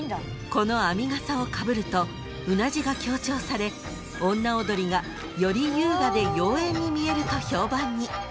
［この編みがさをかぶるとうなじが強調され女踊りがより優雅で妖艶に見えると評判に］